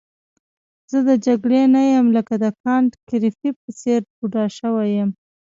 زه د جګړې نه یم لکه د کانت ګریفي په څېر بوډا شوی یم.